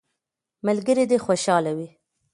ملګري دي خوشحاله وي.